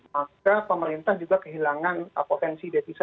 maka pemerintah juga kehilangan potensi devisa